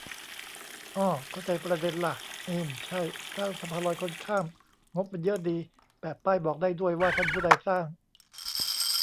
อ้อ เข้าใจประเด็นล่ะ อืมใช่ สร้างสะพานลอยคนข้าม งบมันเยอะดี แปะป้ายบอกได้ด้วย ว่าท่านผู้ใดสร้าง